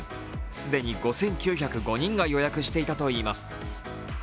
既に５９０５人が予約していたといいます。